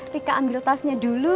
rika ambil tasnya dulu